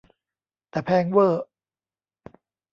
แต่แพงเว่อร์